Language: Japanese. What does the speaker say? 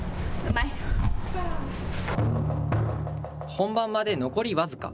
本番まで残り僅か。